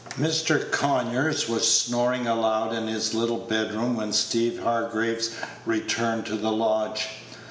Mr. Conyers was snoring aloud in his little bedroom when Steeve Hargraves returned to the lodge.